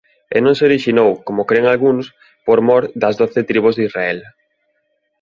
E non se orixinou, como cren algúns, por mor das doce tribos de Israel.